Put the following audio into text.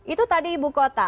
itu tadi ibu kota